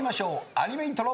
アニメイントロ。